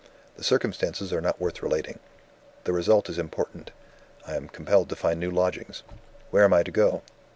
The circumstances are not worth relating. The result is important I am compelled to find new lodgings. Where am I to go?